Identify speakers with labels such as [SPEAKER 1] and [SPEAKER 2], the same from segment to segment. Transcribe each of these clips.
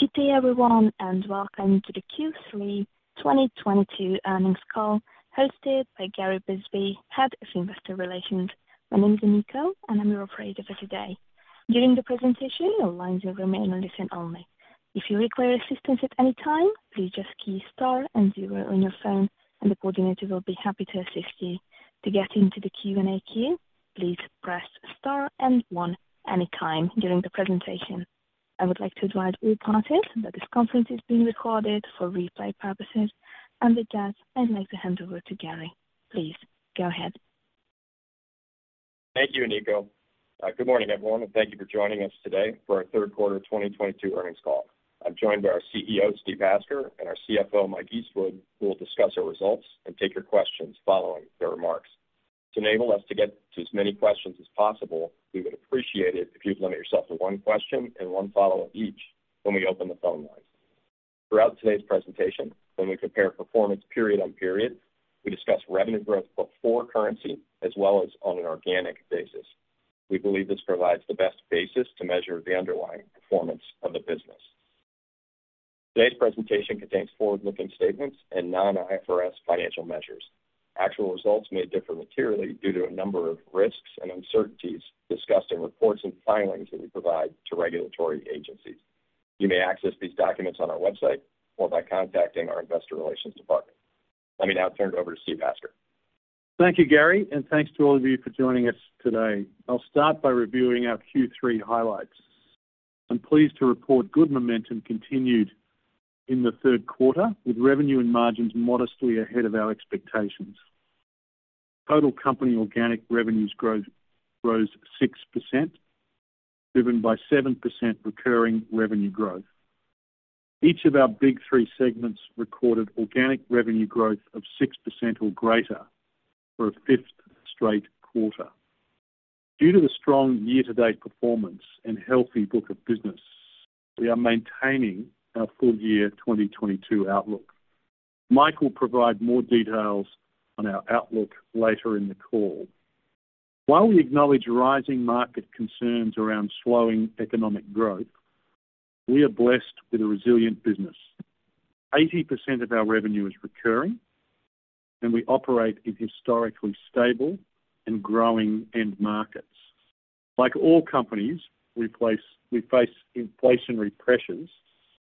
[SPEAKER 1] Good day everyone, and welcome to the Q3 2022 earnings call hosted by Gary Bisbee, Head of Investor Relations. My name is Anika, and I'm your operator for today. During the presentation, your lines will remain on listen-only. If you require assistance at any time, please just key star and zero on your phone and the coordinator will be happy to assist you. To get into the Q&A queue, please press star and one anytime during the presentation. I would like to advise all parties that this conference is being recorded for replay purposes. With that, I'd like to hand over to Gary. Please, go ahead.
[SPEAKER 2] Thank you, Anika. Good morning, everyone, and thank you for joining us today for our third quarter of 2022 earnings call. I'm joined by our CEO, Steve Hasker, and our CFO, Mike Eastwood, who will discuss our results and take your questions following their remarks. To enable us to get to as many questions as possible, we would appreciate it if you'd limit yourself to one question and one follow-up each when we open the phone lines. Throughout today's presentation, when we compare performance period on period, we discuss revenue growth before currency as well as on an organic basis. We believe this provides the best basis to measure the underlying performance of the business. Today's presentation contains forward-looking statements and non-IFRS financial measures. Actual results may differ materially due to a number of risks and uncertainties discussed in reports and filings that we provide to regulatory agencies. You may access these documents on our website or by contacting our investor relations department. Let me now turn it over to Steve Hasker.
[SPEAKER 3] Thank you, Gary, and thanks to all of you for joining us today. I'll start by reviewing our Q3 highlights. I'm pleased to report good momentum continued in the third quarter, with revenue and margins modestly ahead of our expectations. Total company organic revenue growth rose 6%, driven by 7% recurring revenue growth. Each of ourBig 3 segments recorded organic revenue growth of 6% or greater for a fifth straight quarter. Due to the strong year-to-date performance and healthy book of business, we are maintaining our full year 2022 outlook. Mike will provide more details on our outlook later in the call. While we acknowledge rising market concerns around slowing economic growth, we are blessed with a resilient business. 80% of our revenue is recurring, and we operate in historically stable and growing end markets. Like all companies, we face inflationary pressures,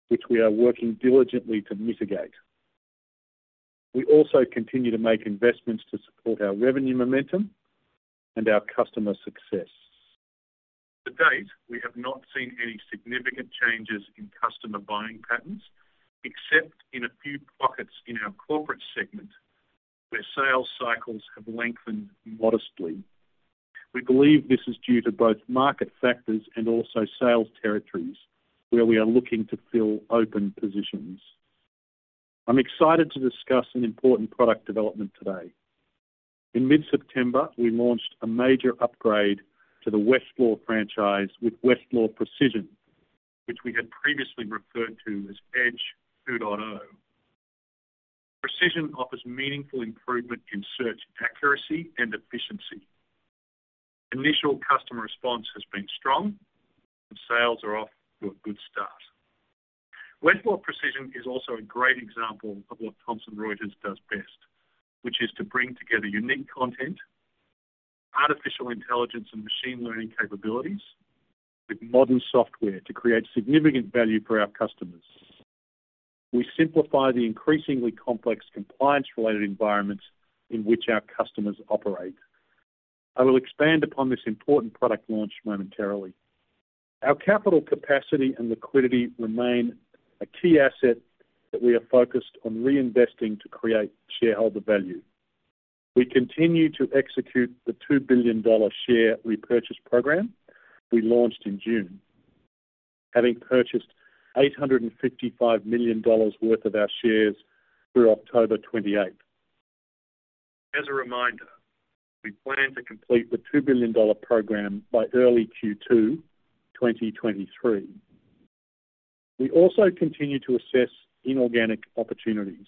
[SPEAKER 3] which we are working diligently to mitigate. We also continue to make investments to support our revenue momentum and our customer success. To date, we have not seen any significant changes in customer buying patterns, except in a few pockets in our corporate segment, where sales cycles have lengthened modestly. We believe this is due to both market factors and also sales territories where we are looking to fill open positions. I'm excited to discuss an important product development today. In mid-September, we launched a major upgrade to the Westlaw franchise with Westlaw Precision, which we had previously referred to as Edge 2.0. Precision offers meaningful improvement in search accuracy and efficiency. Initial customer response has been strong. Sales are off to a good start. Westlaw Precision is also a great example of what Thomson Reuters does best, which is to bring together unique content, artificial intelligence and machine learning capabilities with modern software to create significant value for our customers. We simplify the increasingly complex compliance-related environments in which our customers operate. I will expand upon this important product launch momentarily. Our capital capacity and liquidity remain a key asset that we are focused on reinvesting to create shareholder value. We continue to execute the $2 billion share repurchase program we launched in June, having purchased $855 million worth of our shares through October 28. As a reminder, we plan to complete the $2 billion program by early Q2 2023. We also continue to assess inorganic opportunities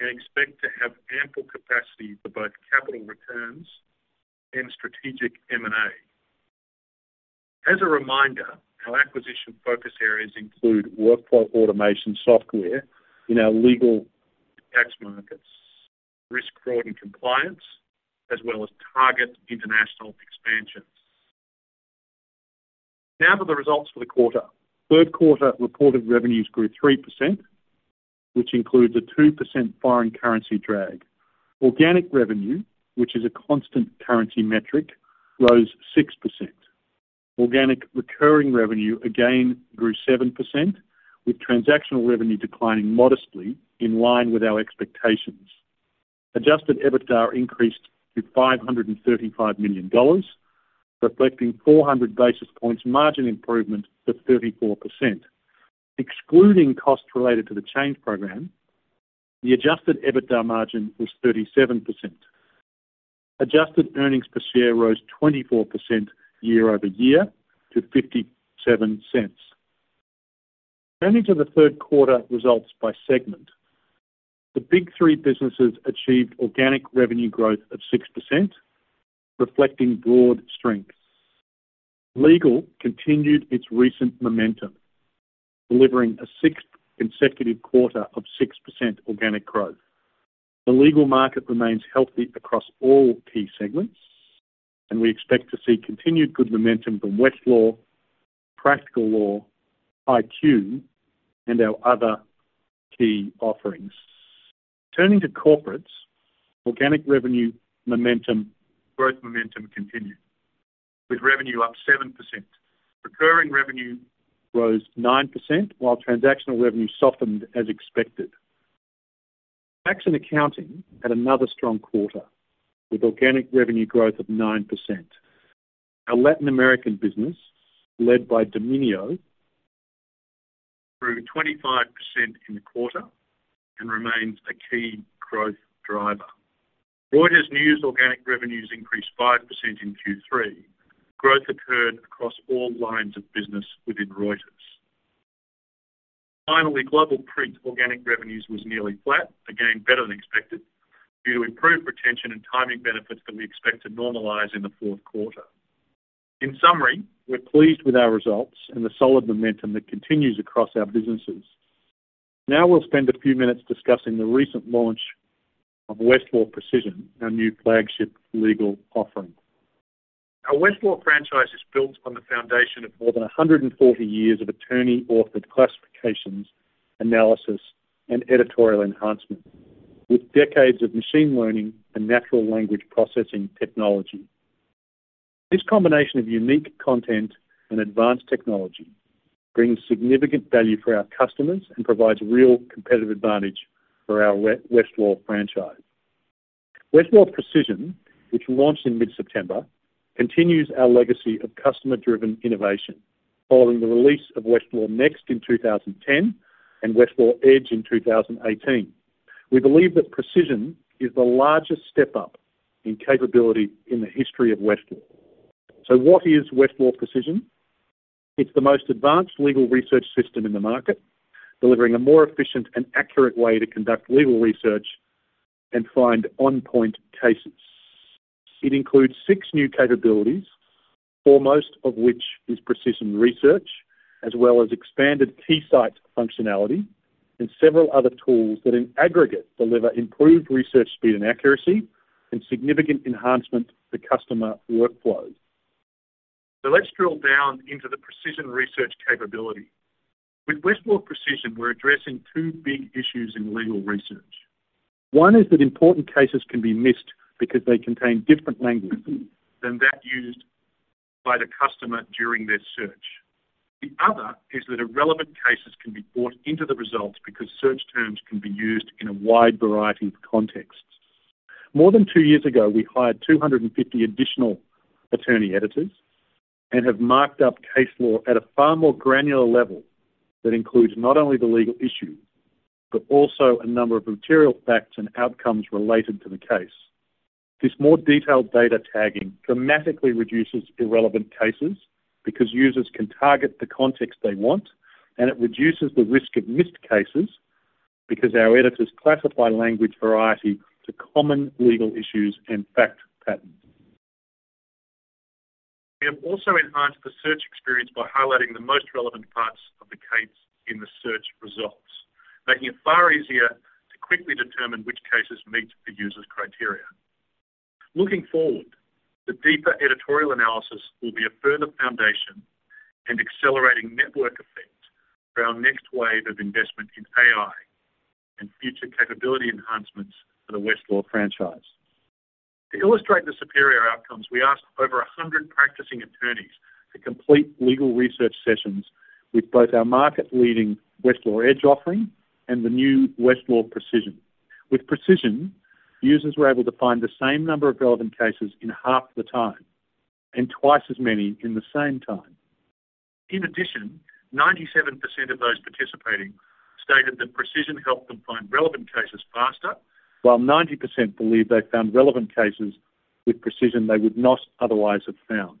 [SPEAKER 3] and expect to have ample capacity for both capital returns and strategic M&A. As a reminder, our acquisition focus areas include workflow automation software in our legal tax markets, risk, fraud, and compliance, as well as target international expansions. Now to the results for the quarter. Third quarter reported revenues grew 3%, which includes a 2% foreign currency drag. Organic revenue, which is a constant currency metric, rose 6%. Organic recurring revenue again grew 7%, with transactional revenue declining modestly in line with our expectations. Adjusted EBITDA increased to $535 million, reflecting 400 basis points margin improvement to 34%. Excluding costs related to the change program, the adjusted EBITDA margin was 37%. Adjusted earnings per share rose 24% year-over-year to $0.57. Turning to the third quarter results by segment. The Big 3 businesses achieved organic revenue growth of 6%, reflecting broad strength. Legal continued its recent momentum, delivering a sixth consecutive quarter of 6% organic growth. The legal market remains healthy across all key segments, and we expect to see continued good momentum from Westlaw, Practical Law, HighQ, and our other key offerings. Turning to corporates, organic revenue momentum, growth momentum continued with revenue up 7%. Recurring revenue rose 9% while transactional revenue softened as expected. Tax and accounting had another strong quarter with organic revenue growth of 9%. Our Latin American business, led by Dominio, grew 25% in the quarter and remains a key growth driver. Reuters News organic revenues increased 5% in Q3. Growth occurred across all lines of business within Reuters. Finally, Global Print organic revenues was nearly flat, again, better than expected due to improved retention and timing benefits that we expect to normalize in the fourth quarter. In summary, we're pleased with our results and the solid momentum that continues across our businesses. Now we'll spend a few minutes discussing the recent launch of Westlaw Precision, our new flagship legal offering. Our Westlaw franchise is built on the foundation of more than 140 years of attorney-authored classifications, analysis, and editorial enhancement with decades of machine learning and natural language processing technology. This combination of unique content and advanced technology brings significant value for our customers and provides real competitive advantage for our Westlaw franchise. Westlaw Precision, which launched in mid-September, continues our legacy of customer-driven innovation following the release of WestlawNext in 2010 and Westlaw Edge in 2018. We believe that Precision is the largest step up in capability in the history of Westlaw. What is Westlaw Precision? It's the most advanced legal research system in the market, delivering a more efficient and accurate way to conduct legal research and find on-point cases. It includes six new capabilities, foremost of which is Precision research, as well as expanded KeyCite functionality and several other tools that, in aggregate, deliver improved research speed and accuracy and significant enhancement to customer workflows. Let's drill down into the Precision research capability. With Westlaw Precision, we're addressing two big issues in legal research. One is that important cases can be missed because they contain different language than that used by the customer during their search. The other is that irrelevant cases can be brought into the results because search terms can be used in a wide variety of contexts. More than two years ago, we hired 250 additional attorney editors and have marked up case law at a far more granular level that includes not only the legal issue, but also a number of material facts and outcomes related to the case. This more detailed data tagging dramatically reduces irrelevant cases because users can target the context they want, and it reduces the risk of missed cases because our editors classify language variety to common legal issues and fact patterns. We have also enhanced the search experience by highlighting the most relevant parts of the case in the search results, making it far easier to quickly determine which cases meet the user's criteria. Looking forward, the deeper editorial analysis will be a further foundation and accelerating network effect for our next wave of investment in AI and future capability enhancements for the Westlaw franchise. To illustrate the superior outcomes, we asked over 100 practicing attorneys to complete legal research sessions with both our market-leading Westlaw Edge offering and the new Westlaw Precision. With Precision, users were able to find the same number of relevant cases in half the time and twice as many in the same time. In addition, 97% of those participating stated that Precision helped them find relevant cases faster, while 90% believe they found relevant cases with Precision they would not otherwise have found.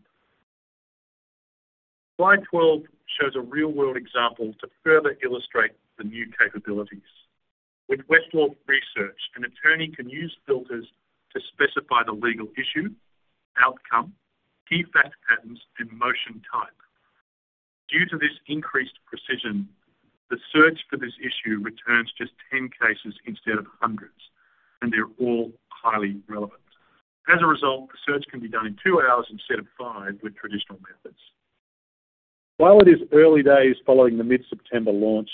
[SPEAKER 3] Slide 12 shows a real-world example to further illustrate the new capabilities. With Westlaw research, an attorney can use filters to specify the legal issue, outcome, key fact patterns, and motion type. Due to this increased precision, the search for this issue returns just 10 cases instead of hundreds, and they're all highly relevant. As a result, the search can be done in two hours instead of five with traditional methods. While it is early days following the mid-September launch,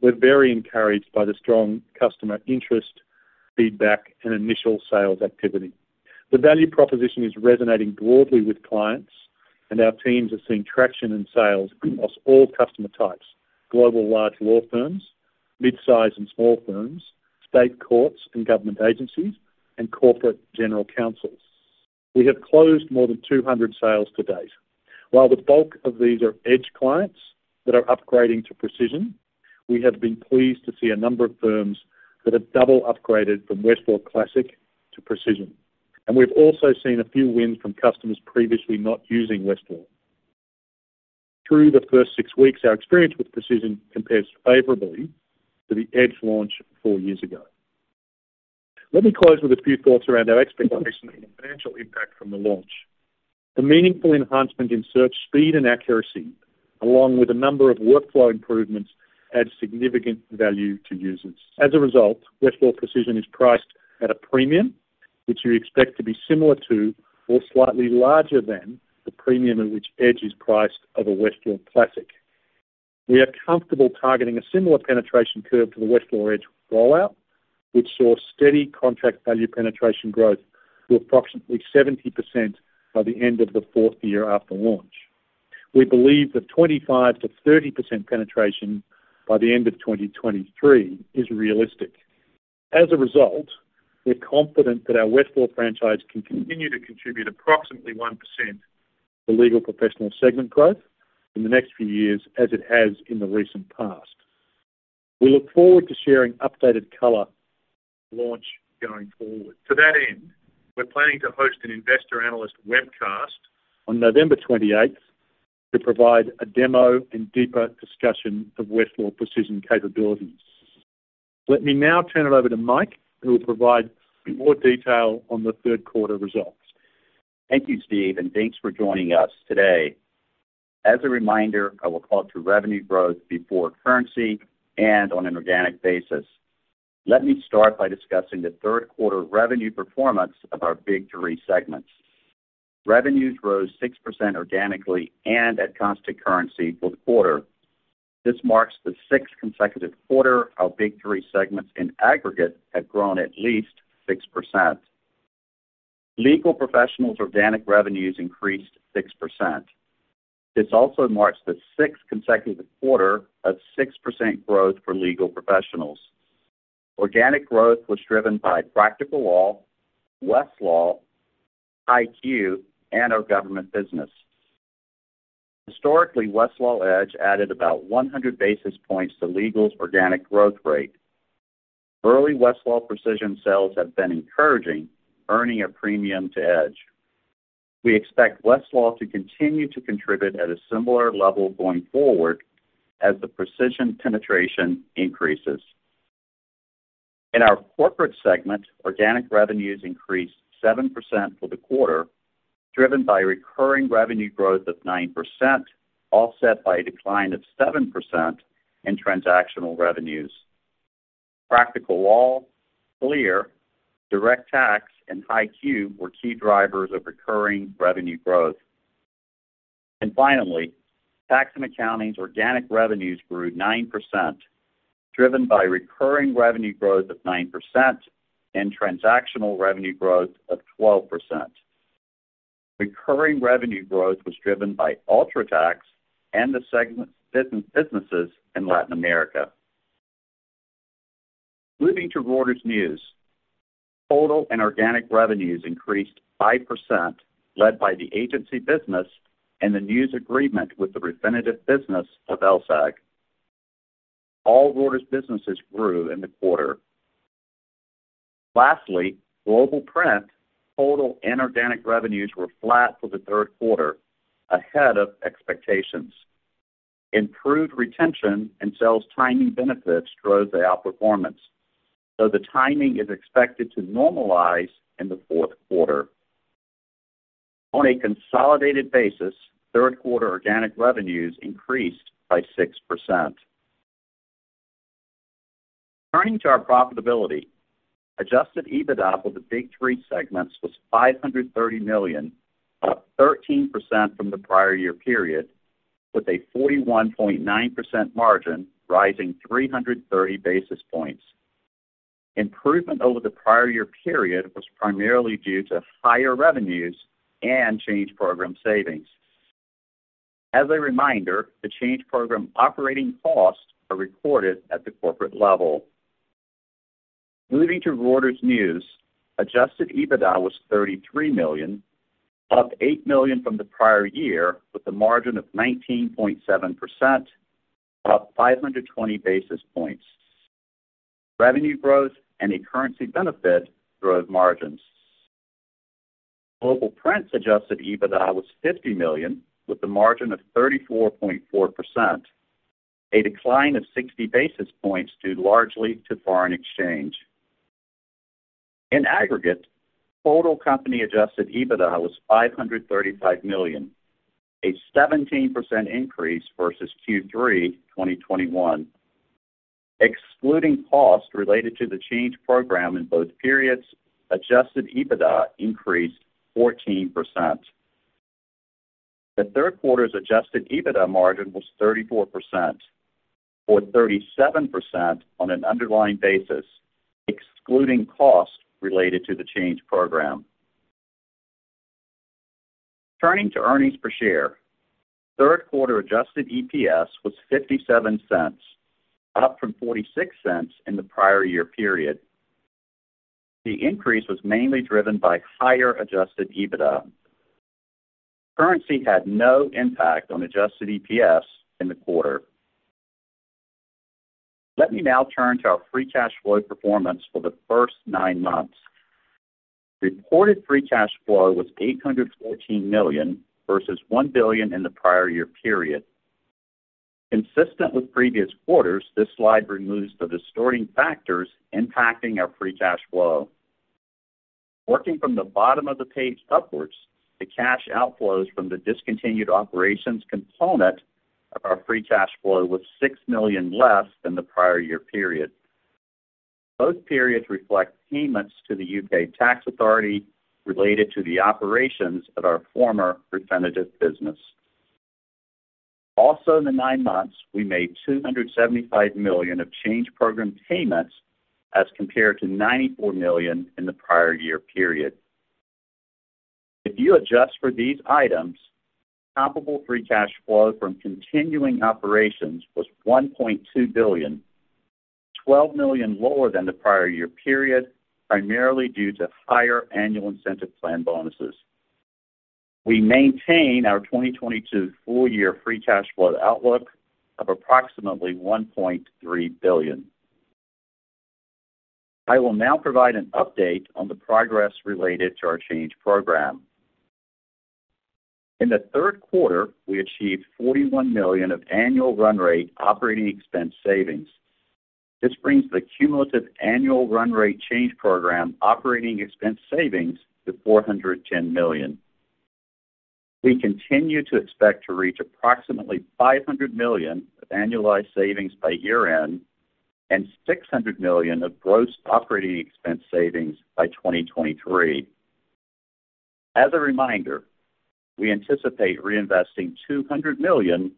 [SPEAKER 3] we're very encouraged by the strong customer interest, feedback, and initial sales activity. The value proposition is resonating broadly with clients, and our teams are seeing traction in sales across all customer types, global large law firms, mid-size and small firms, state courts and government agencies, and corporate general counsels. We have closed more than 200 sales to date. While the bulk of these are Edge clients that are upgrading to Precision, we have been pleased to see a number of firms that have double-upgraded from Westlaw Classic to Precision. We've also seen a few wins from customers previously not using Westlaw. Through the first six weeks, our experience with Precision compares favorably to the Edge launch four years ago. Let me close with a few thoughts around our expectation and financial impact from the launch. The meaningful enhancement in search speed and accuracy, along with a number of workflow improvements, adds significant value to users. As a result, Westlaw Precision is priced at a premium, which we expect to be similar to or slightly larger than the premium at which Edge is priced over Westlaw Classic. We are comfortable targeting a similar penetration curve to the Westlaw Edge rollout, which saw steady contract value penetration growth to approximately 70% by the end of the fourth year after launch. We believe that 25%-30% penetration by the end of 2023 is realistic. As a result, we're confident that our Westlaw franchise can continue to contribute approximately 1% to legal professional segment growth in the next few years, as it has in the recent past. We look forward to sharing updated color launch going forward. To that end, we're planning to host an investor analyst webcast on November 28th to provide a demo and deeper discussion of Westlaw Precision capabilities. Let me now turn it over to Mike, who will provide more detail on the third quarter results.
[SPEAKER 4] Thank you, Steve, and thanks for joining us today. As a reminder, I will call out revenue growth before currency and on an organic basis. Let me start by discussing the third quarter revenue performance of our Big 3 segments. Revenues rose 6% organically and at constant currency for the quarter. This marks the sixth consecutive quarter our Big 3 segments in aggregate have grown at least 6%. Legal Professionals organic revenues increased 6%. This also marks the sixth consecutive quarter of 6% growth for Legal Professionals. Organic growth was driven by Practical Law, Westlaw, HighQ, and our government business. Historically, Westlaw Edge added about 100 basis points to Legal's organic growth rate. Early Westlaw Precision sales have been encouraging, earning a premium to Edge. We expect Westlaw to continue to contribute at a similar level going forward as the Precision penetration increases. In our corporate segment, organic revenues increased 7% for the quarter, driven by recurring revenue growth of 9%, offset by a decline of 7% in transactional revenues. Practical Law, CLEAR, Direct Tax, and HighQ were key drivers of recurring revenue growth. Finally, Tax & Accounting's organic revenues grew 9%, driven by recurring revenue growth of 9% and transactional revenue growth of 12%. Recurring revenue growth was driven by UltraTax and the segment's businesses in Latin America. Moving to Reuters News. Total and organic revenues increased 5%, led by the agency business and the news agreement with the Refinitiv business of LSEG. All Reuters businesses grew in the quarter. Lastly, Global Print. Total and organic revenues were flat for the third quarter, ahead of expectations. Improved retention and sales timing benefits drove the outperformance, though the timing is expected to normalize in the fourth quarter. On a consolidated basis, third quarter organic revenues increased by 6%. Turning to our profitability, adjusted EBITDA for the Big 3 segments was $530 million, up 13% from the prior year period, with a 41.9% margin rising 330 basis points. Improvement over the prior year period was primarily due to higher revenues and Change Program savings. As a reminder, the Change Program operating costs are recorded at the corporate level. Moving to Reuters News. Adjusted EBITDA was $33 million, up $8 million from the prior year, with a margin of 19.7%, up 520 basis points. Revenue growth and a currency benefit drove margins. Global Print adjusted EBITDA was $50 million with a margin of 34.4%, a decline of 60 basis points due largely to foreign exchange. In aggregate, total company adjusted EBITDA was $535 million, a 17% increase versus Q3 2021. Excluding costs related to the Change Program in both periods, adjusted EBITDA increased 14%. The third quarter's adjusted EBITDA margin was 34%, or 37% on an underlying basis, excluding costs related to the Change Program. Turning to earnings per share. Third quarter adjusted EPS was $0.57, up from $0.46 in the prior year period. The increase was mainly driven by higher adjusted EBITDA. Currency had no impact on adjusted EPS in the quarter. Let me now turn to our free cash flow performance for the first nine months. Reported free cash flow was $814 million, versus $1 billion in the prior year period. Consistent with previous quarters, this slide removes the distorting factors impacting our free cash flow. Working from the bottom of the page upwards, the cash outflows from the discontinued operations component of our free cash flow was $6 million less than the prior year period. Both periods reflect payments to the UK tax authority related to the operations of our former Refinitiv business. Also, in the nine months, we made $275 million of change program payments as compared to $94 million in the prior year period. If you adjust for these items, comparable free cash flow from continuing operations was $1.2 billion, $12 million lower than the prior year period, primarily due to higher annual incentive plan bonuses. / We maintain our 2022 full year free cash flow outlook of approximately $1.3 billion. I will now provide an update on the progress related to our change program. In the third quarter, we achieved $41 million of annual run rate operating expense savings. This brings the cumulative annual run rate change program operating expense savings to $410 million. We continue to expect to reach approximately $500 million of annualized savings by year-end and $600 million of gross operating expense savings by 2023. As a reminder, we anticipate reinvesting $200 million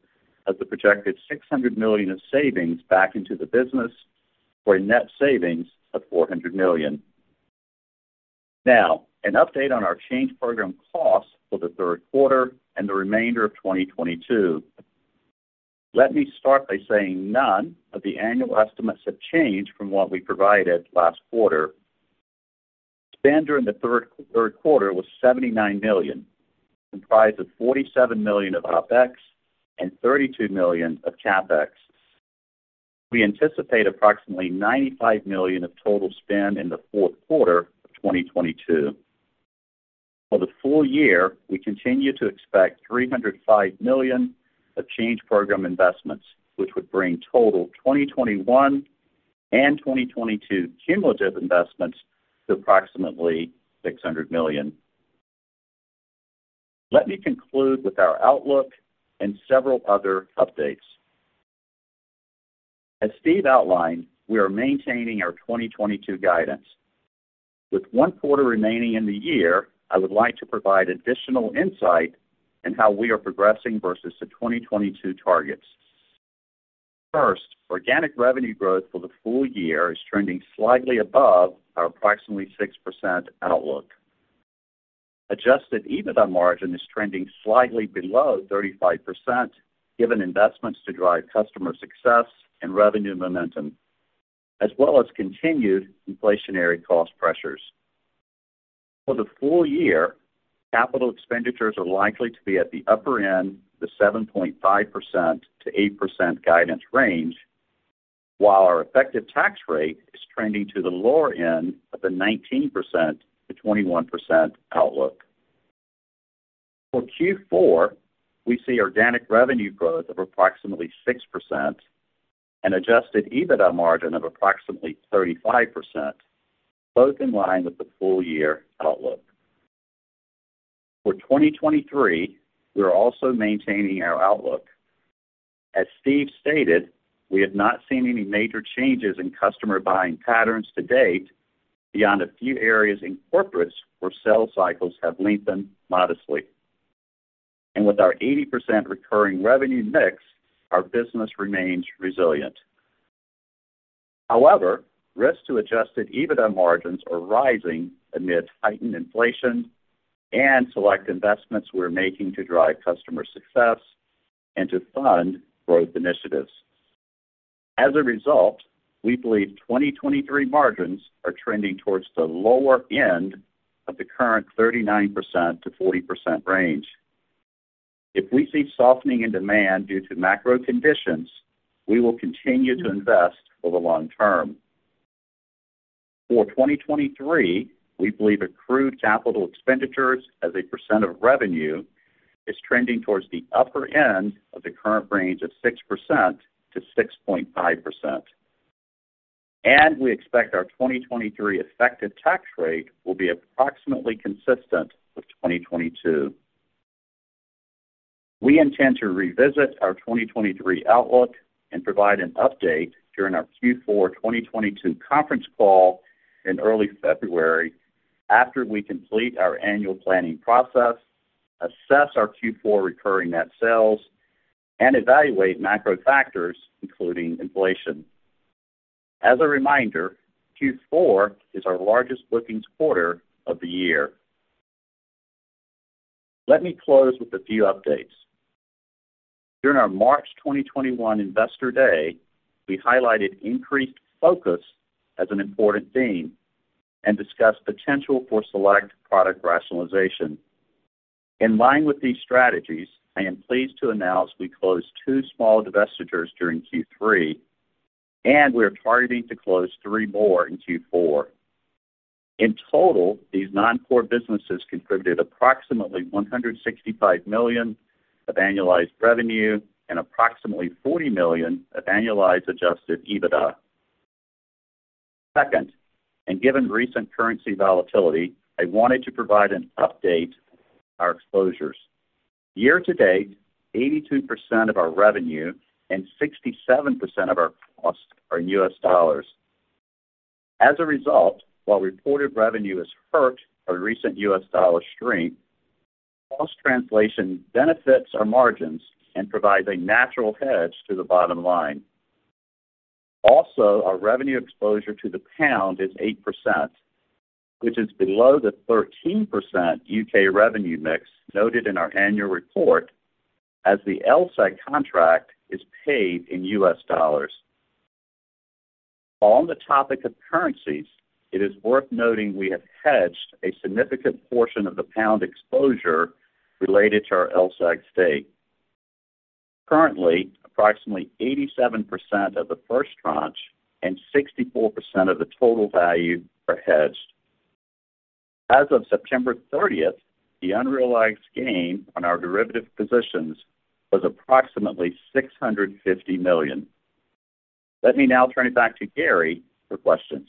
[SPEAKER 4] of the projected $600 million of savings back into the business for a net savings of $400 million. Now, an update on our change program costs for the third quarter and the remainder of 2022. Let me start by saying none of the annual estimates have changed from what we provided last quarter. Spend during the third quarter was $79 million, comprised of $47 million of OpEx and $32 million of CapEx. We anticipate approximately $95 million of total spend in the fourth quarter of 2022. For the full year, we continue to expect $305 million of change program investments, which would bring total 2021 and 2022 cumulative investments to approximately $600 million. Let me conclude with our outlook and several other updates. As Steve outlined, we are maintaining our 2022 guidance. With one quarter remaining in the year, I would like to provide additional insight into how we are progressing versus the 2022 targets. First, organic revenue growth for the full year is trending slightly above our approximately 6% outlook. Adjusted EBITDA margin is trending slightly below 35% given investments to drive customer success and revenue momentum, as well as continued inflationary cost pressures. For the full year, capital expenditures are likely to be at the upper end of the 7.5%-8% guidance range, while our effective tax rate is trending to the lower end of the 19%-21% outlook. For Q4, we see organic revenue growth of approximately 6% and adjusted EBITDA margin of approximately 35%, both in line with the full year outlook. For 2023, we are also maintaining our outlook. As Steve stated, we have not seen any major changes in customer buying patterns to date beyond a few areas in corporates where sales cycles have lengthened modestly. With our 80% recurring revenue mix, our business remains resilient. However, risks to adjusted EBITDA margins are rising amid heightened inflation and select investments we're making to drive customer success and to fund growth initiatives. As a result, we believe 2023 margins are trending towards the lower end of the current 39%-40% range. If we see softening in demand due to macro conditions, we will continue to invest for the long term. For 2023, we believe accrued capital expenditures as a percent of revenue is trending towards the upper end of the current range of 6%-6.5%, and we expect our 2023 effective tax rate will be approximately consistent with 2022. We intend to revisit our 2023 outlook and provide an update during our Q4 2022 conference call in early February after we complete our annual planning process, assess our Q4 recurring net sales, and evaluate macro factors, including inflation. As a reminder, Q4 is our largest bookings quarter of the year. Let me close with a few updates. During our March 2021 Investor Day, we highlighted increased focus as an important theme and discussed potential for select product rationalization. In line with these strategies, I am pleased to announce we closed two small divestitures during Q3, and we are targeting to close three more in Q4. In total, these non-core businesses contributed approximately $165 million of annualized revenue and approximately $40 million of annualized adjusted EBITDA. Second, and given recent currency volatility, I wanted to provide an update on our exposures. Year to date, 82% of our revenue and 67% of our costs are in U.S. dollars. As a result, while reported revenue is hurt by recent U.S. dollar strength, cost translation benefits our margins and provides a natural hedge to the bottom line. Also, our revenue exposure to the pound is 8%, which is below the 13% U.K. revenue mix noted in our annual report as the LSEG contract is paid in U.S. dollars. On the topic of currencies, it is worth noting we have hedged a significant portion of the pound exposure related to our LSEG stake. Currently, approximately 87% of the first tranche and 64% of the total value are hedged. As of September 30, the unrealized gain on our derivative positions was approximately $650 million. Let me now turn it back to Gary for questions.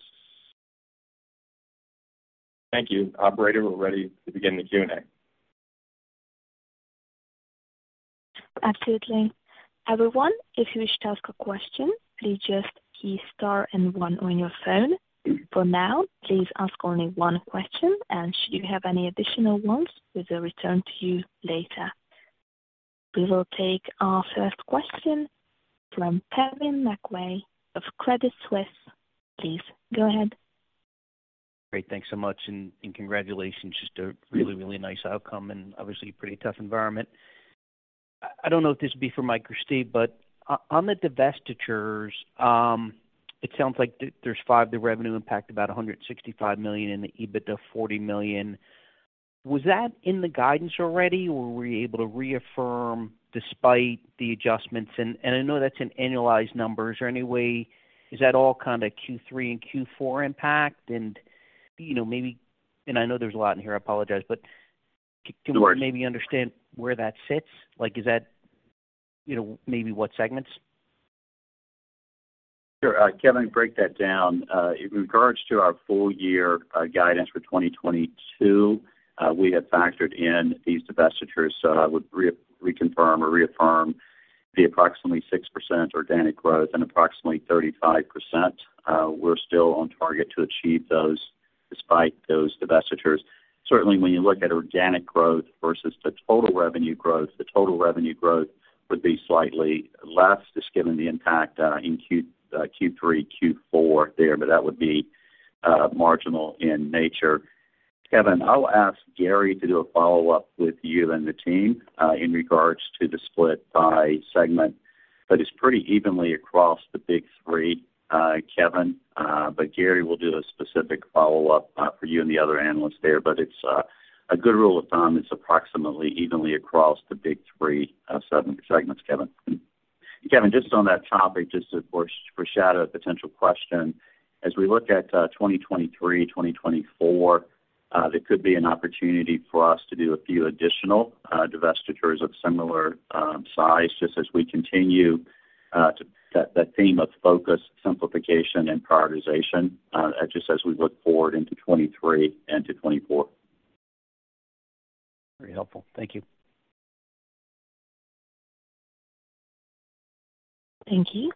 [SPEAKER 4] Thank you. Operator, we're ready to begin the Q&A.
[SPEAKER 1] Absolutely. Everyone, if you wish to ask a question, please just key star and one on your phone. For now, please ask only one question, and should you have any additional ones, we will return to you later. We will take our first question from Kevin McVeigh of Credit Suisse. Please go ahead.
[SPEAKER 5] Great, thanks so much and congratulations. Just a really nice outcome, obviously pretty tough environment. I don't know if this would be for Mike or Steve, but on the divestitures, it sounds like there's 5. The revenue impact about $165 million and the EBITDA $40 million. Was that in the guidance already or were you able to reaffirm despite the adjustments? I know that's in annualized numbers. Is that all kind of Q3 and Q4 impact? You know, I know there's a lot in here, I apologize, but can we maybe understand where that sits? Like, is that, you know, maybe what segments?
[SPEAKER 4] Sure. Kevin, break that down. In regards to our full year guidance for 2022, we have factored in these divestitures. I would reconfirm or reaffirm the approximately 6% organic growth and approximately 35%. We're still on target to achieve those despite those divestitures. Certainly, when you look at organic growth versus the total revenue growth, the total revenue growth would be slightly less just given the impact in Q3, Q4 there, but that would be marginal in nature. Kevin, I'll ask Gary to do a follow-up with you and the team in regards to the split by segment, but it's pretty evenly across the Big 3, Kevin. Gary will do a specific follow-up for you and the other analysts there. It's a good rule of thumb. It's approximately evenly across the Big 3 segments, Kevin. Kevin, just on that topic, just to foreshadow a potential question. As we look at 2023, 2024, there could be an opportunity for us to do a few additional divestitures of similar size, just as we continue to that theme of focus, simplification, and prioritization, just as we look forward into 2023 and to 2024.
[SPEAKER 5] Very helpful. Thank you.
[SPEAKER 1] Thank you.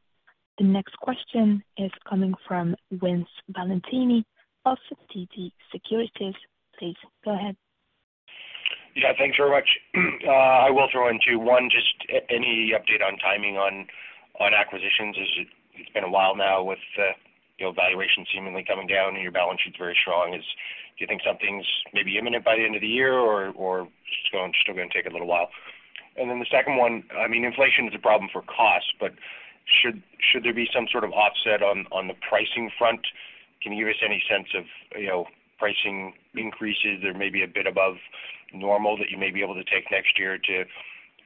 [SPEAKER 1] The next question is coming from Vince Valentini of TD Securities. Please go ahead.
[SPEAKER 6] Yeah, thanks very much. I will throw in two. One, just any update on timing on acquisitions, as it's been a while now with you know, valuations seemingly coming down and your balance sheet's very strong. Do you think something's maybe imminent by the end of the year or still gonna take a little while? And then the second one, I mean, inflation is a problem for cost, but should there be some sort of offset on the pricing front? Can you give us any sense of, you know, pricing increases or maybe a bit above normal that you may be able to take next year to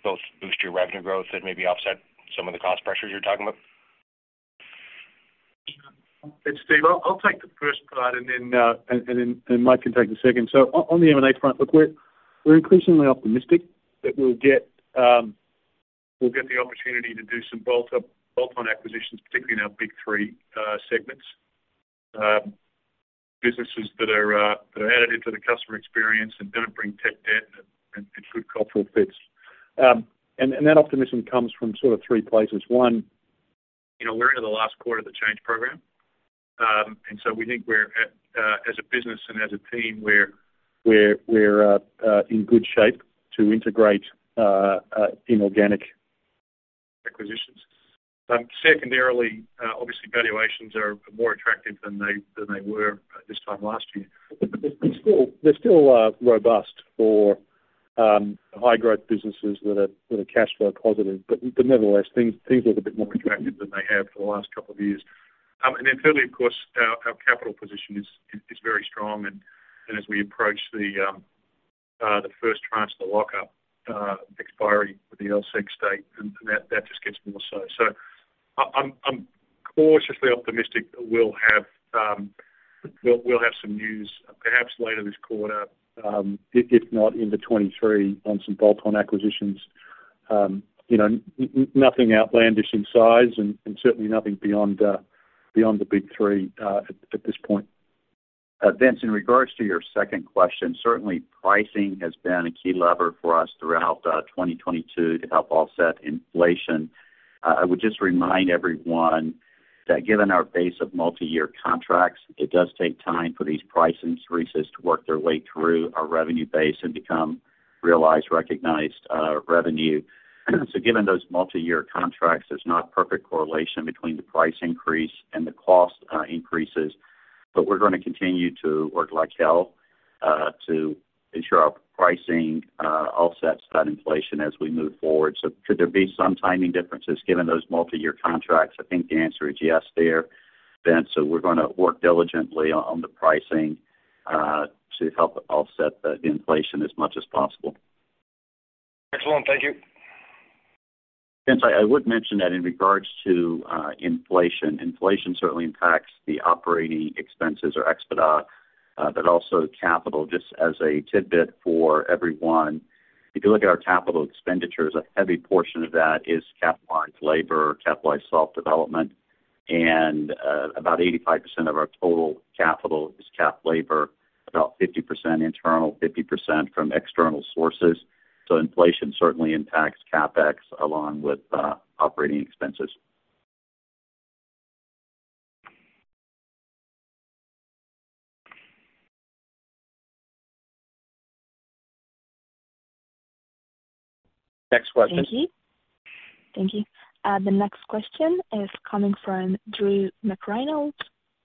[SPEAKER 6] both boost your revenue growth and maybe offset some of the cost pressures you're talking about?
[SPEAKER 3] It's Steve. I'll take the first part and then Mike can take the second. On the M&A front, look, we're increasingly optimistic that we'll get the opportunity to do some bolt-on acquisitions, particularly in our Big 3 segments. Businesses that are additive to the customer experience and don't bring tech debt and good cultural fits. That optimism comes from sort of three places. One, you know, we're into the last quarter of the change program. We think we're as a business and as a team, we're in good shape to integrate inorganic acquisitions. Secondarily, obviously valuations are more attractive than they were this time last year. They're still robust for high growth businesses that are cash flow positive. Nevertheless, things look a bit more attractive than they have for the last couple of years. Thirdly, of course, our capital position is very strong and as we approach the first transfer lockup expiry for the LSEG stake, and that just gets more so. I'm cautiously optimistic that we'll have some news perhaps later this quarter, if not into 2023 on some bolt-on acquisitions. You know, nothing outlandish in size and certainly nothing beyond the Big 3 at this point.
[SPEAKER 4] Vince, in regards to your second question, certainly pricing has been a key lever for us throughout 2022 to help offset inflation. I would just remind everyone that given our base of multiyear contracts, it does take time for these price increases to work their way through our revenue base and become realized, recognized revenue. Given those multiyear contracts, there's not perfect correlation between the price increase and the cost increases, but we're gonna continue to work like hell to ensure our pricing offsets that inflation as we move forward. Could there be some timing differences given those multiyear contracts? I think the answer is yes, there. We're gonna work diligently on the pricing to help offset the inflation as much as possible.
[SPEAKER 6] Excellent. Thank you.
[SPEAKER 4] Vince, I would mention that in regards to inflation certainly impacts the operating expenses or OpEx, but also capital. Just as a tidbit for everyone, if you look at our capital expenditures, a heavy portion of that is capitalized labor, capitalized self-development, and about 85% of our total capital is cap labor, about 50% internal, 50% from external sources. Inflation certainly impacts CapEx along with operating expenses. Next question.
[SPEAKER 1] Thank you. The next question is coming from Drew McReynolds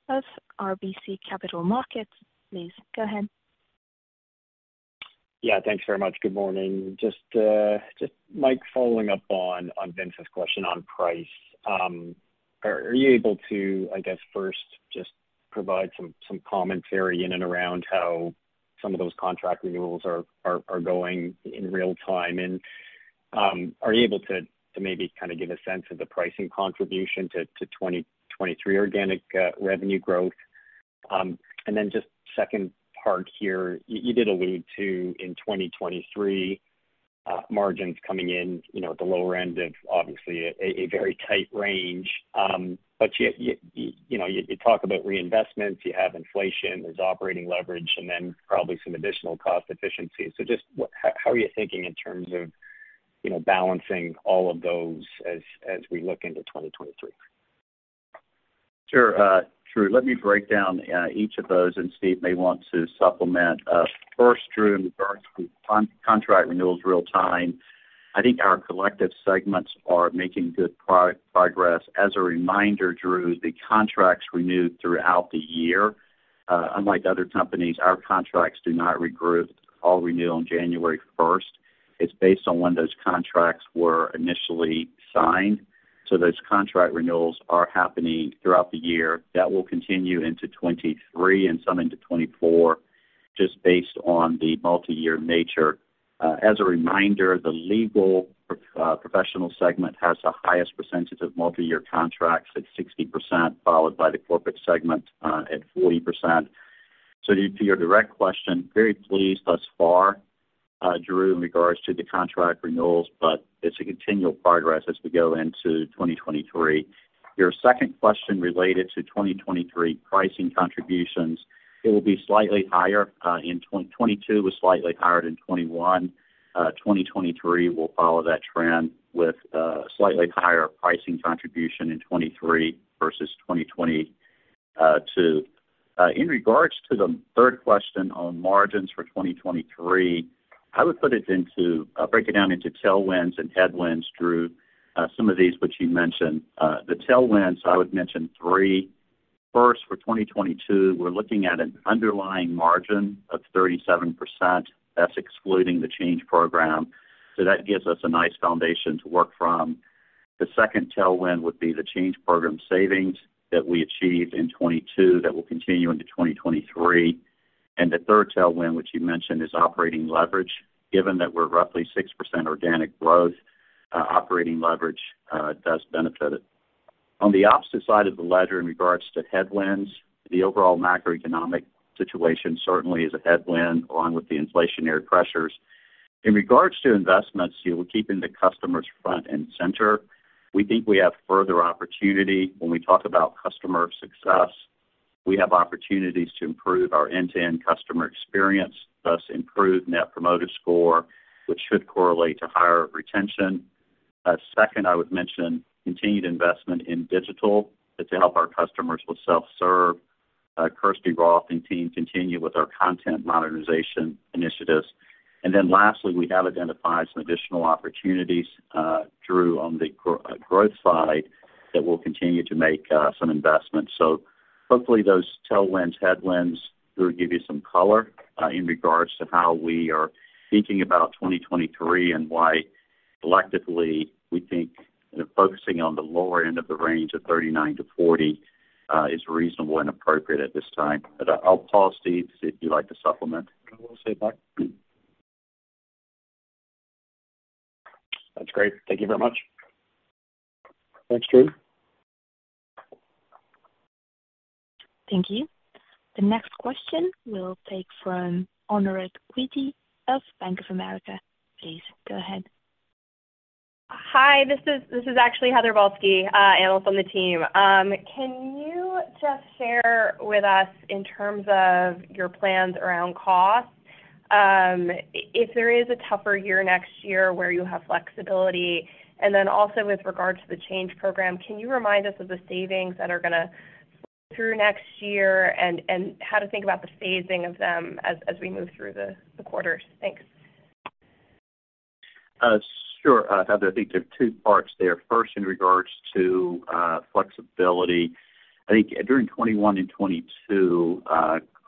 [SPEAKER 1] of RBC Capital Markets. Please go ahead.
[SPEAKER 7] Yeah, thanks very much. Good morning. Just Mike following up on Vince's question on price. Are you able to, I guess, first just provide some commentary in and around how some of those contract renewals are going in real time? Are you able to maybe kind of give a sense of the pricing contribution to 2023 organic revenue growth? Just second part here. You did allude to in 2023 margins coming in, you know, at the lower end of obviously a very tight range. You know, you talk about reinvestments, you have inflation, there's operating leverage, and then probably some additional cost efficiencies. Just how are you thinking in terms of, you know, balancing all of those as we look into 2023?
[SPEAKER 4] Sure. Drew, let me break down each of those, and Steve may want to supplement. First, Drew, in regards to contract renewals real time. I think our collective segments are making good progress. As a reminder, Drew, the contracts renewed throughout the year. Unlike other companies, our contracts do not all renew on January first. It's based on when those contracts were initially signed. Those contract renewals are happening throughout the year. That will continue into 2023 and some into 2024, just based on the multiyear nature. As a reminder, the Legal Professionals segment has the highest percentage of multiyear contracts at 60%, followed by the Corporates segment at 40%. To your direct question, very pleased thus far, Drew, in regards to the contract renewals, but it's a continual progress as we go into 2023. Your second question related to 2023 pricing contributions. It will be slightly higher. In 2022 was slightly higher than 2021. 2023 will follow that trend with slightly higher pricing contribution in 2023 versus 2022. In regards to the third question on margins for 2023, I'll break it down into tailwinds and headwinds, Drew. Some of these which you mentioned. The tailwinds, I would mention three. First, for 2022, we're looking at an underlying margin of 37%. That's excluding the change program. So that gives us a nice foundation to work from. The second tailwind would be the change program savings that we achieved in 2022. That will continue into 2023. The third tailwind, which you mentioned, is operating leverage. Given that we're roughly 6% organic growth, operating leverage does benefit it. On the opposite side of the ledger in regards to headwinds, the overall macroeconomic situation certainly is a headwind along with the inflationary pressures. In regards to investments, we're keeping the customers front and center. We think we have further opportunity when we talk about customer success. We have opportunities to improve our end-to-end customer experience, thus improve net promoter score, which should correlate to higher retention. Second, I would mention continued investment in digital to help our customers with self-serve. Kirsty Roth and team continue with our content monetization initiatives. Lastly, we have identified some additional opportunities, Drew, on the growth side that we'll continue to make some investments. Hopefully those tailwinds, headwinds will give you some color, in regards to how we are thinking about 2023 and why collectively we think focusing on the lower end of the range of 39-40 is reasonable and appropriate at this time. I'll pause, Steve, if you'd like to supplement.
[SPEAKER 3] I will say that.
[SPEAKER 7] That's great. Thank you very much.
[SPEAKER 3] Thanks, Drew.
[SPEAKER 1] Thank you. The next question we'll take from Anirudh Reddy of Bank of America. Please go ahead.
[SPEAKER 8] Hi. This is actually Heather Balsky, analyst on the team. Can you just share with us in terms of your plans around costs, if there is a tougher year next year where you have flexibility? Also with regards to the change program, can you remind us of the savings that are gonna flow through next year and how to think about the phasing of them as we move through the quarters? Thanks.
[SPEAKER 4] Sure. Heather, I think there are two parts there. First, in regards to flexibility. I think during 2021 and 2022,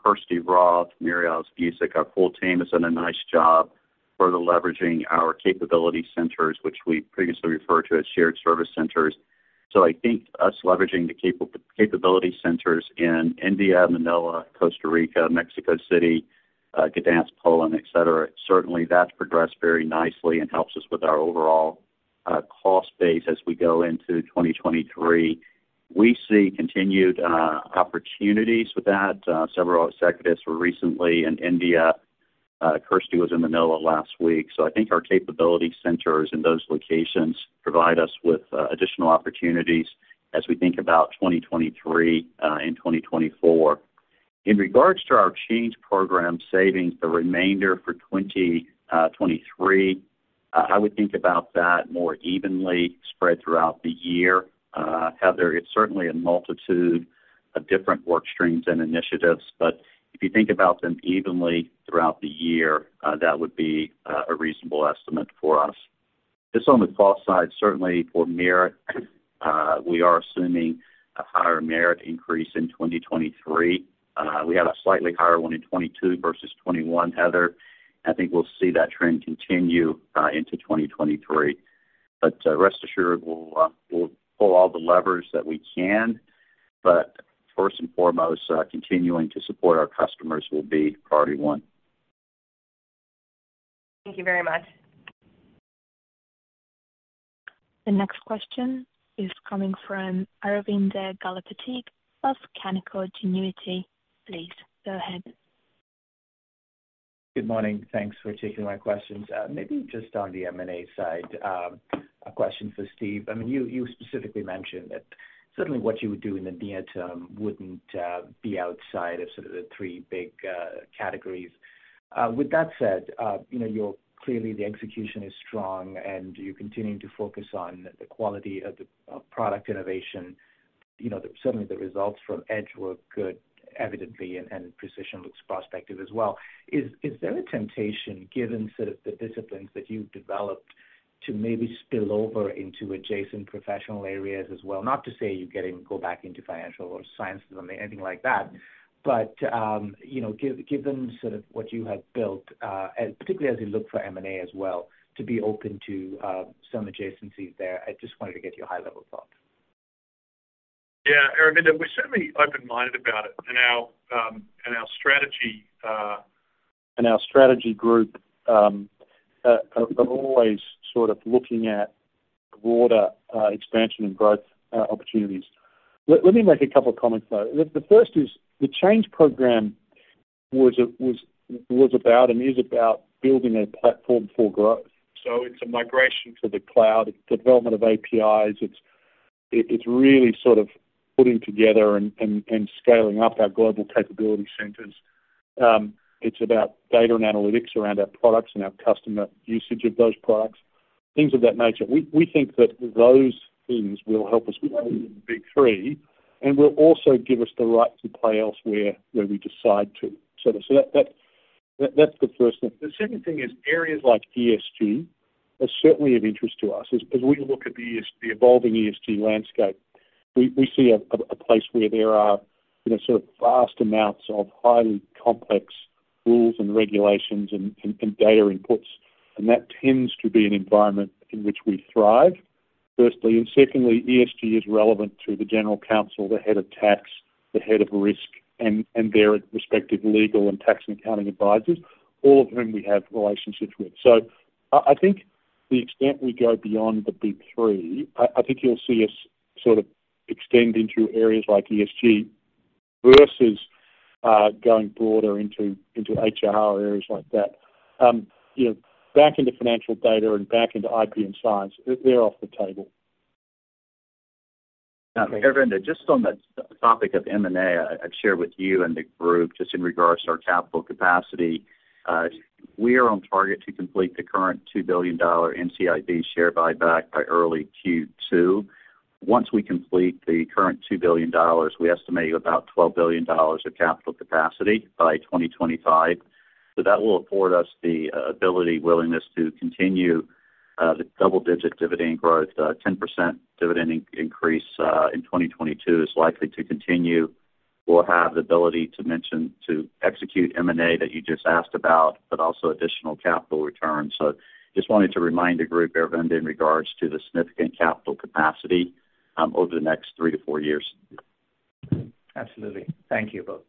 [SPEAKER 4] Kirsty Roth, Mary-Alice Vuici, our full team has done a nice job further leveraging our capability centers, which we previously referred to as shared service centers. I think us leveraging the capability centers in India, Manila, Costa Rica, Mexico City, Gdańsk, Poland, et cetera, certainly that's progressed very nicely and helps us with our overall cost base as we go into 2023. We see continued opportunities with that. Several executives were recently in India. Kirsty was in Manila last week. I think our capability centers in those locations provide us with additional opportunities as we think about 2023 and 2024. In regards to our change program savings, the remainder for 2023, I would think about that more evenly spread throughout the year. Heather, it's certainly a multitude of different work streams and initiatives, but if you think about them evenly throughout the year, that would be a reasonable estimate for us. Just on the cost side, certainly for merit, we are assuming a higher merit increase in 2023. We had a slightly higher one in 2022 versus 2021, Heather. I think we'll see that trend continue into 2023. Rest assured, we'll pull all the levers that we can. First and foremost, continuing to support our customers will be priority one.
[SPEAKER 8] Thank you very much.
[SPEAKER 1] The next question is coming from Aravinda Galappatthige of Canaccord Genuity. Please go ahead.
[SPEAKER 9] Good morning. Thanks for taking my questions. Maybe just on the M&A side, a question for Steve. I mean, you specifically mentioned that certainly what you would do in the near term wouldn't be outside of sort of the three big categories. With that said, you know, your execution is strong, and you're continuing to focus on the quality of the product innovation. You know, certainly the results from Edge were good, evidently, and Precision looks prospective as well. Is there a temptation, given sort of the disciplines that you've developed, to maybe spill over into adjacent professional areas as well? Not to say go back into financial or sciences or anything like that, but, you know, given sort of what you have built, and particularly as you look for M&A as well, to be open to, some adjacencies there. I just wanted to get your high-level thoughts.
[SPEAKER 3] Yeah. Aravinda, we're certainly open-minded about it. Our strategy group are always sort of looking at broader expansion and growth opportunities. Let me make a couple of comments, though. The first is the change program was about and is about building a platform for growth. It's a migration to the cloud, development of APIs. It's really sort of putting together and scaling up our global capability centers. It's about data and analytics around our products and our customer usage of those products, things of that nature. We think that those things will help us be free and will also give us the right to play elsewhere where we decide to. That's the first thing. The second thing is areas like ESG are certainly of interest to us. As we look at the evolving ESG landscape, we see a place where there are, you know, sort of vast amounts of highly complex rules and regulations and data inputs, and that tends to be an environment in which we thrive, firstly. Secondly, ESG is relevant to the general counsel, the head of tax, the head of risk, and their respective legal and tax and accounting advisors, all of whom we have relationships with. I think the extent we go beyond the Big 3, I think you'll see us sort of extend into areas like ESG versus going broader into HR or areas like that. You know, back into financial data and back into IP and science, they're off the table. /
[SPEAKER 4] Aravinda, just on the subject of M&A, I've shared with you and the group just in regards to our capital capacity. We are on target to complete the current $2 billion NCIB share buyback by early Q2. Once we complete the current $2 billion, we estimate about $12 billion of capital capacity by 2025. That will afford us the ability, willingness to continue the double digit dividend growth, 10% dividend increase in 2022 is likely to continue. We'll have the ability to execute M&A that you just asked about, but also additional capital returns. Just wanted to remind the group, Arvind, in regards to the significant capital capacity over the next three to four years.
[SPEAKER 9] Absolutely. Thank you both.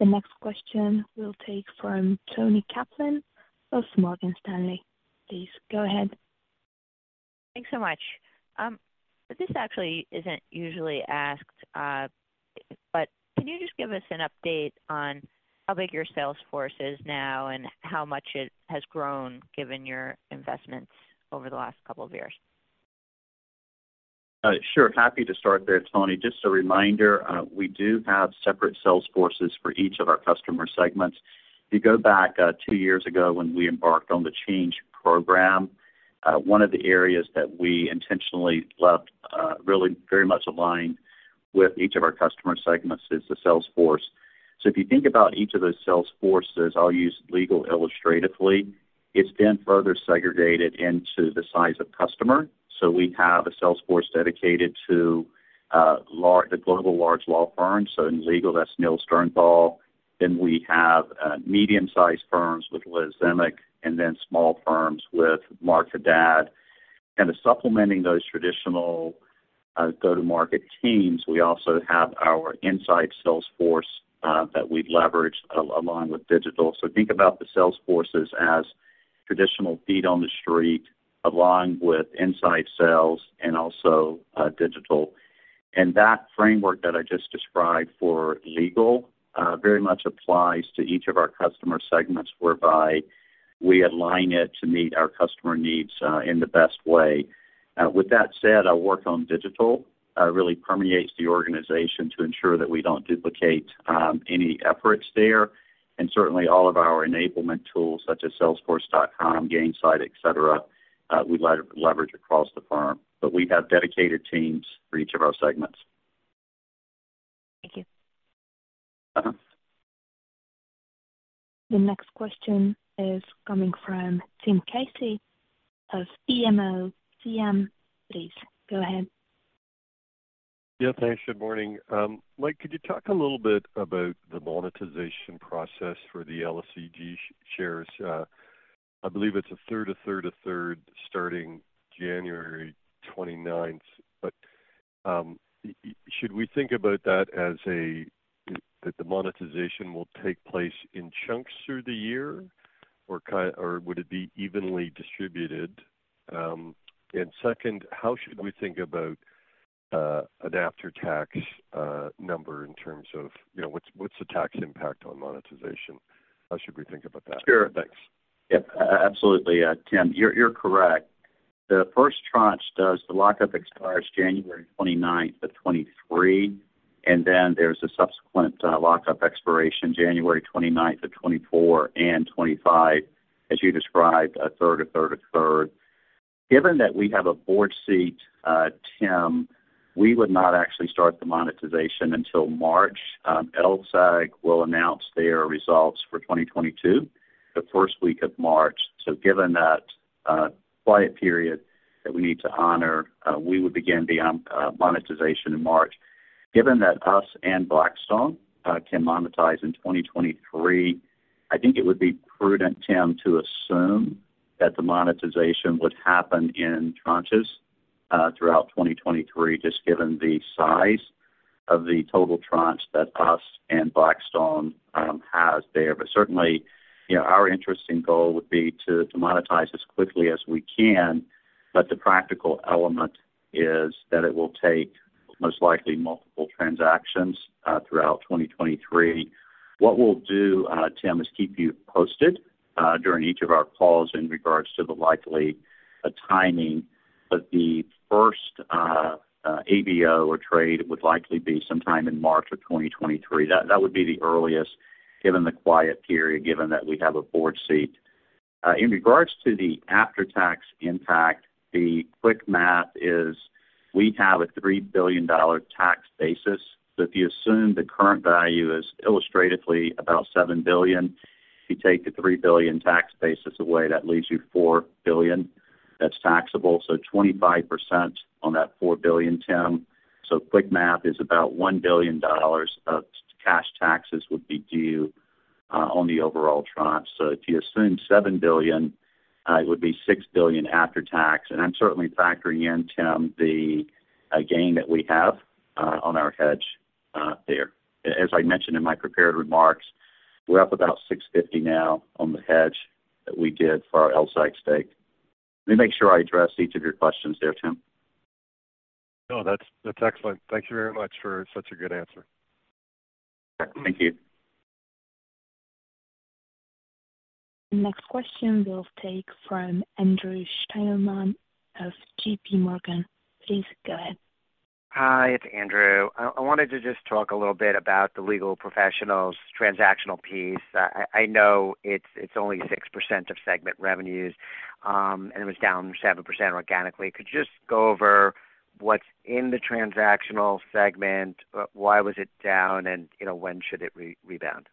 [SPEAKER 1] The next question we'll take from Toni Kaplan of Morgan Stanley. Please go ahead.
[SPEAKER 10] Thanks so much. This actually isn't usually asked, but can you just give us an update on how big your sales force is now and how much it has grown given your investments over the last couple of years?
[SPEAKER 4] Sure. Happy to start there, Toni. Just a reminder, we do have separate sales forces for each of our customer segments. If you go back two years ago when we embarked on the change program, one of the areas that we intentionally left really very much aligned with each of our customer segments is the sales force. So if you think about each of those sales forces, I'll use legal illustratively. It's then further segregated into the size of customer. So we have a sales force dedicated to the global large law firms. So in legal, that's Neil Sternthal. Then we have medium-sized firms with Liz Zemek, and then small firms with Mark Haddad. To supplementing those traditional go-to-market teams, we also have our inside sales force that we've leveraged along with digital. Think about the sales forces as traditional feet on the street, along with inside sales and digital. That framework that I just described for legal very much applies to each of our customer segments, whereby we align it to meet our customer needs in the best way. With that said, our work on digital really permeates the organization to ensure that we don't duplicate any efforts there. Certainly all of our enablement tools, such as Salesforce.com, Gainsight, et cetera, we leverage across the firm. We have dedicated teams for each of our segments.
[SPEAKER 10] Thank you.
[SPEAKER 4] Uh-huh.
[SPEAKER 1] The next question is coming from Tim Casey of BMO Capital Markets. Please go ahead.
[SPEAKER 11] Yeah, thanks. Good morning. Mike, could you talk a little bit about the monetization process for the LSEG shares? I believe it's a third to a third to a third starting January twenty-ninth. Should we think about that as that the monetization will take place in chunks through the year or would it be evenly distributed? Second, how should we think about an after-tax number in terms of, you know, what's the tax impact on monetization? How should we think about that?
[SPEAKER 4] Sure.
[SPEAKER 11] Thanks.
[SPEAKER 4] Yeah, absolutely, Tim. You're correct. The first tranche, the lockup expires January 29, 2023, and then there's a subsequent lockup expiration January 29, 2024 and 2025, as you described, a third. Given that we have a board seat, Tim, we would not actually start the monetization until March. LSEG will announce their results for 2022 the first week of March. Given that quiet period that we need to honor, we would begin the monetization in March. Given that us and Blackstone can monetize in 2023, I think it would be prudent, Tim, to assume that the monetization would happen in tranches throughout 2023, just given the size of the total tranche that us and Blackstone has there. Certainly, you know, our interest and goal would be to monetize as quickly as we can, but the practical element is that it will take most likely multiple transactions throughout 2023. What we'll do, Tim, is keep you posted during each of our calls in regards to the likely timing. The first ABB or trade would likely be sometime in March of 2023. That would be the earliest, given the quiet period, given that we have a board seat. In regards to the after-tax impact, the quick math is we have a $3 billion tax basis. So if you assume the current value is illustratively about $7 billion, if you take the $3 billion tax basis away, that leaves you $4 billion that's taxable. So 25% on that $4 billion, Tim. Quick math is about $1 billion of cash taxes would be due on the overall tranche. If you assume $7 billion, it would be $6 billion after tax. I'm certainly factoring in, Tim, the gain that we have on our hedge there. As I mentioned in my prepared remarks, we're up about $650 million now on the hedge that we did for our LSEG stake. Let me make sure I address each of your questions there, Tim.
[SPEAKER 11] No, that's excellent. Thank you very much for such a good answer.
[SPEAKER 4] Thank you.
[SPEAKER 1] The next question we'll take from Andrew Steinerman of JPMorgan. Please go ahead.
[SPEAKER 12] Hi, it's Andrew. I wanted to just talk a little bit about the legal professionals transactional piece. I know it's only 6% of segment revenues, and it was down 7% organically. Could you just go over what's in the transactional segment? Why was it down? You know, when should it rebound?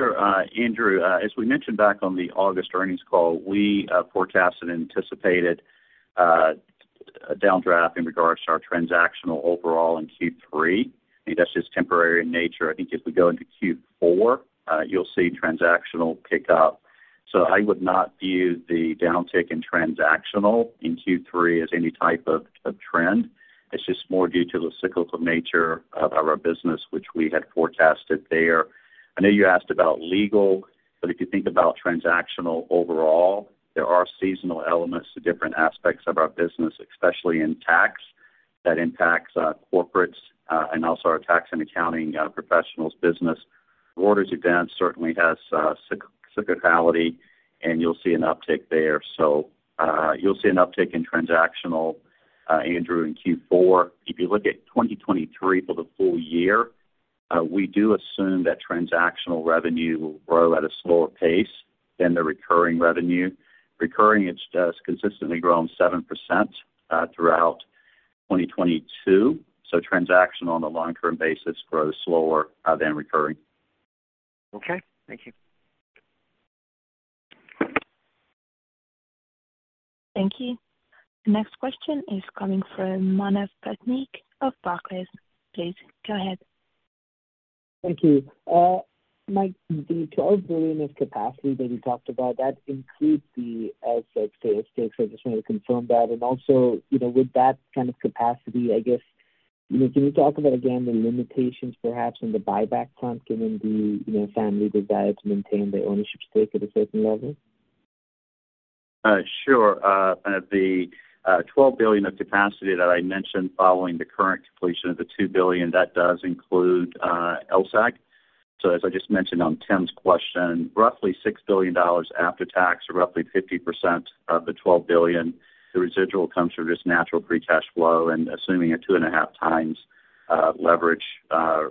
[SPEAKER 4] Sure. Andrew, as we mentioned back on the August earnings call, we forecasted anticipated a downdraft in regards to our transactional overall in Q3. I think that's just temporary in nature. I think if we go into Q4, you'll see transactional pick up. I would not view the downtick in transactional in Q3 as any type of trend. It's just more due to the cyclical nature of our business, which we had forecasted there. I know you asked about legal, but if you think about transactional overall, there are seasonal elements to different aspects of our business, especially in tax, that impacts corporates and also our tax and accounting professionals business. Reuters event certainly has cyclicality, and you'll see an uptick there. You'll see an uptick in transactional, Andrew, in Q4. If you look at 2023 for the full year, we do assume that transactional revenue will grow at a slower pace than the recurring revenue. Recurring, it's just consistently grown 7% throughout 2022. Transactional on a long-term basis grows slower than recurring.
[SPEAKER 12] Okay. Thank you.
[SPEAKER 1] Thank you. The next question is coming from Manav Patnaik of Barclays. Please go ahead.
[SPEAKER 13] Thank you. Mike, the $12 billion of capacity that you talked about, that includes the LSEG stake. I just wanted to confirm that. You know, with that kind of capacity, I guess, you know, can you talk about again the limitations perhaps on the buyback front given the, you know, family desire to maintain their ownership stake at a certain level?
[SPEAKER 4] Sure. The $12 billion of capacity that I mentioned following the current completion of the $2 billion, that does include LSEG. As I just mentioned on Tim's question, roughly $6 billion after tax or roughly 50% of the $12 billion, the residual comes from just natural free cash flow and assuming a 2.5x leverage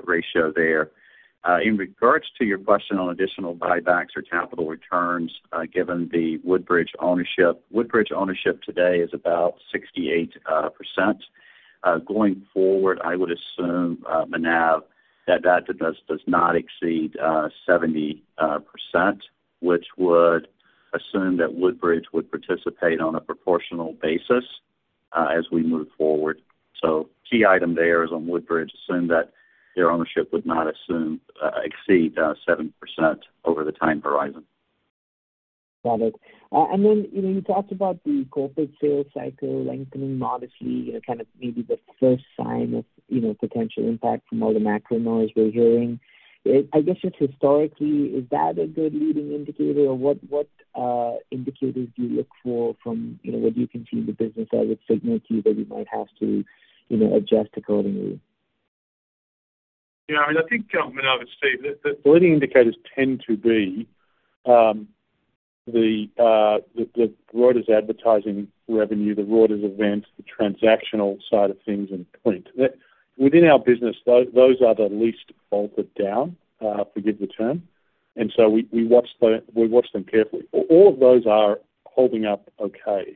[SPEAKER 4] ratio there. In regards to your question on additional buybacks or capital returns, given the Woodbridge ownership. Woodbridge ownership today is about 68%. Going forward, I would assume, Manav, that that does not exceed 70%, which would assume that Woodbridge would participate on a proportional basis as we move forward. Key item there is on Woodbridge, assume that their ownership would not exceed 7% over the time horizon.
[SPEAKER 13] Got it. You know, you talked about the corporate sales cycle lengthening modestly, you know, kind of maybe the first sign of, you know, potential impact from all the macro noise we're hearing. I guess just historically, is that a good leading indicator or what indicators do you look for from, you know, what you can see in the business that would signal to you that you might have to, you know, adjust accordingly?
[SPEAKER 3] Yeah, I mean, I think, Manav, it's Steve. The leading indicators tend to be the Reuters advertising revenue, the Reuters events, the transactional side of things and CLEAR. Within our business, those are the least bolted down, forgive the term. We watch them carefully. All of those are holding up okay.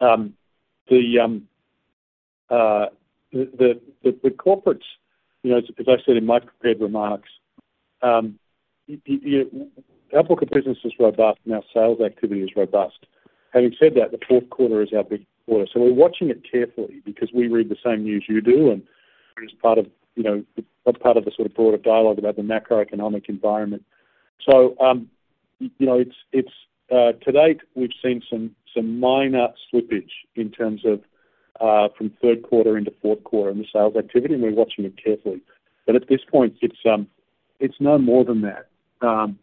[SPEAKER 3] The corporates, you know, as I said in my prepared remarks, yeah, our book of business is robust and our sales activity is robust. Having said that, the fourth quarter is our big quarter, so we're watching it carefully because we read the same news you do and as part of, you know, a part of the sort of broader dialogue about the macroeconomic environment. You know, it's to date, we've seen some minor slippage in terms of from third quarter into fourth quarter in the sales activity, and we're watching it carefully. At this point, it's no more than that.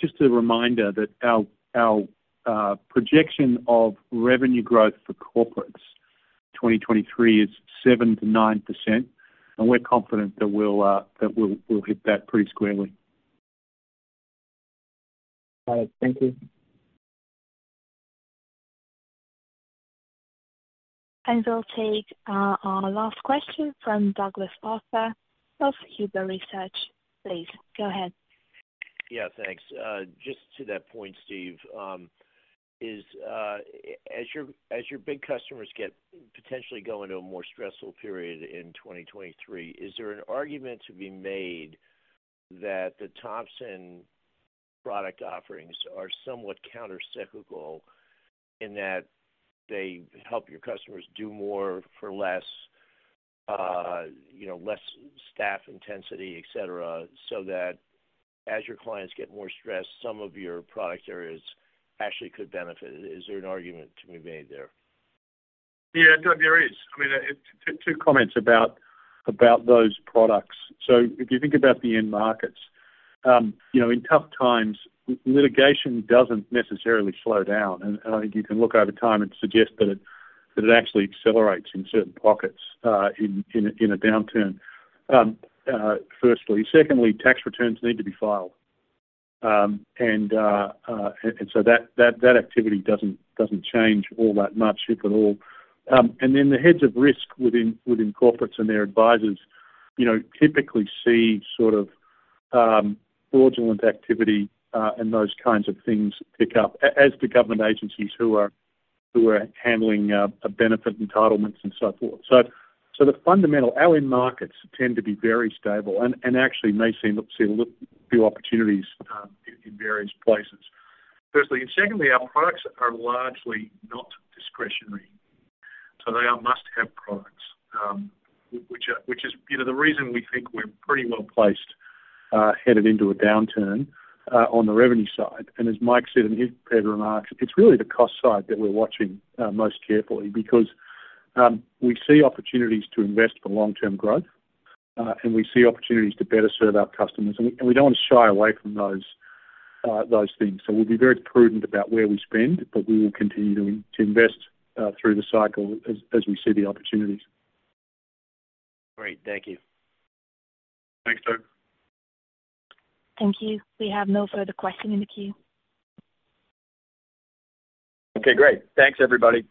[SPEAKER 3] Just a reminder that our projection of revenue growth for corporates, 2023 is 7%-9%, and we're confident that we'll hit that pretty squarely.
[SPEAKER 13] All right. Thank you.
[SPEAKER 1] We'll take our last question from Douglas Arthur of Huber Research. Please go ahead.
[SPEAKER 14] Yeah, thanks. Just to that point, Steve, as your big customers potentially go into a more stressful period in 2023, is there an argument to be made that the Thomson product offerings are somewhat countercyclical in that they help your customers do more for less, you know, less staff intensity, etcetera, so that as your clients get more stressed, some of your product areas actually could benefit? Is there an argument to be made there?
[SPEAKER 3] Yeah, Doug, there is. I mean, two comments about those products. If you think about the end markets, in tough times, litigation doesn't necessarily slow down. I think you can look over time and suggest that it actually accelerates in certain pockets, in a downturn, firstly. Secondly, tax returns need to be filed. That activity doesn't change all that much, if at all. The heads of risk within corporates and their advisors typically see sort of fraudulent activity and those kinds of things pick up as the government agencies who are handling benefit entitlements and so forth. Our end markets tend to be very stable and actually may seem to see a few opportunities in various places, firstly. Secondly, our products are largely not discretionary. They are must-have products, which is, you know, the reason we think we're pretty well placed headed into a downturn on the revenue side. As Mike said in his prepared remarks, it's really the cost side that we're watching most carefully because we see opportunities to invest for long-term growth and we see opportunities to better serve our customers. We don't want to shy away from those things. We'll be very prudent about where we spend, but we will continue to invest through the cycle as we see the opportunities.
[SPEAKER 14] Great. Thank you.
[SPEAKER 3] Thanks, Doug.
[SPEAKER 1] Thank you. We have no further question in the queue.
[SPEAKER 2] Okay, great. Thanks, everybody.